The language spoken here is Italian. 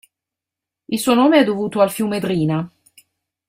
Il suo nome è dovuto al fiume Drina.